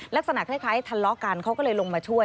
ลักษณะคล้ายทะเลาะกันเขาก็เลยลงมาช่วย